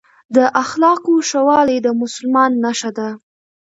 د اخلاقو ښه والي د مسلمان نښه ده.